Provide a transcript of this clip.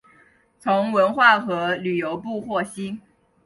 从文化和旅游部获悉